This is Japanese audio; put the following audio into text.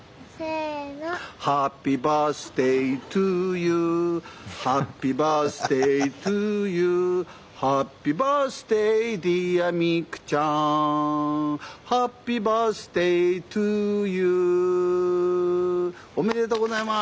「ハッピーバースデートゥーユーハッピーバースデートゥーユー」「ハッピーバースデーディア美来ちゃん」「ハッピーバースデートゥーユー」おめでとうございます。